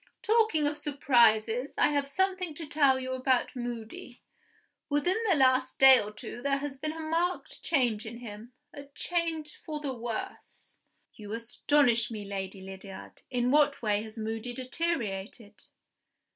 Talking of surprises, I have something to tell you about Moody. Within the last day or two there has been a marked change in him a change for the worse." "You astonish me, Lady Lydiard! In what way has Moody deteriorated?"